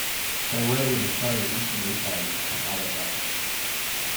They were able to show instant replay and other graphics.